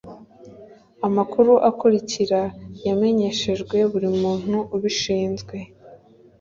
amakuru akurikira yamenyeshejwe buri muntu ubishinzwe